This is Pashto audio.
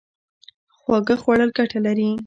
خواږه خوړل ګټه لري